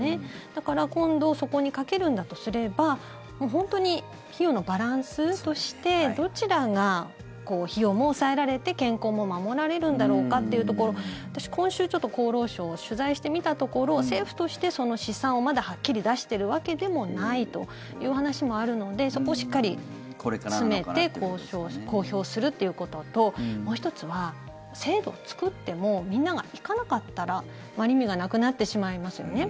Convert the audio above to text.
だから今度そこにかけるんだとすれば本当に費用のバランスとしてどちらが費用も抑えられて健康も守られるんだろうかっていうところを私、今週、ちょっと厚労省を取材してみたところ政府としてその試算をまだはっきり出してるわけでもないという話もあるのでそこをしっかり詰めて公表するということともう１つは制度を作ってもみんなが行かなかったらあまり意味がなくなってしまいますよね。